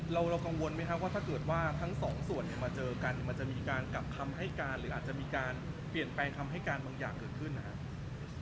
เรากังวลไหมครับว่าถ้าเกิดว่าทั้งสองส่วนเนี่ยมาเจอกันมันจะมีการกลับคำให้การหรืออาจจะมีการเปลี่ยนแปลงคำให้การบางอย่างเกิดขึ้นนะครับ